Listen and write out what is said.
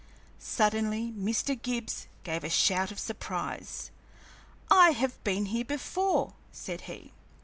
Suddenly Mr. Gibbs gave a shout of surprise. "I have been here before," said he.